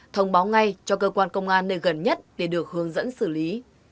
thông báo ngay cho cơ quan công an nơi gần nhất để được hướng dẫn xử lý